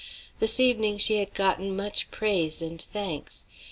This evening she had gotten much praise and thanks.